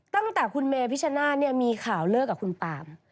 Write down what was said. ตั้งแต่คุณเมพิชนาธิเนี่ยมีข่าวเลิกกับคุณปาม